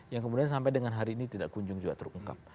yang kemudian sampai dengan hari ini tidak kunjung juga terungkap